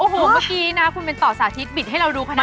โอ้โหเมื่อกี้นะคุณเป็นต่อสาธิตบิดให้เราดูคณะ